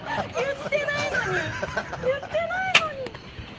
言ってないのに！